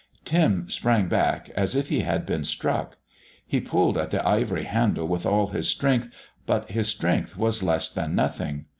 Tim sprang back as if he had been struck. He pulled at the ivory handle with all his strength, but his strength was less than nothing.